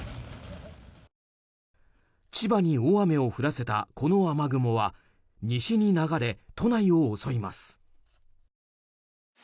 千葉に大雨を降らせたこの雨雲は西に流れ都内を襲います。